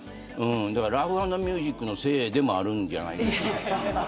だからラフ＆ミュージックのせいでもあるんではないでしょうか。